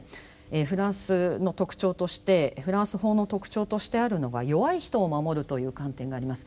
フランスの特徴としてフランス法の特徴としてあるのが弱い人を守るという観点があります。